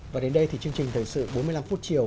và đến đây thì chương trình thời sự bốn mươi năm phút chiều